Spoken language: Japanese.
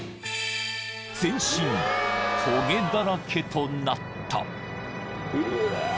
［全身とげだらけとなった］